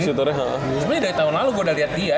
sebenernya dari tahun lalu gue udah liat dia